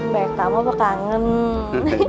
banyak tamu apa kangen